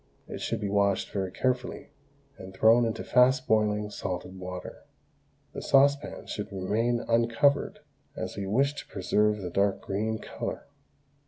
It should be washed very carefully, and thrown into fast boiling salted water. The saucepan should remain uncovered, as we wish to preserve the dark green colour.